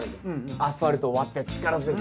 アスファルトを割って力強く。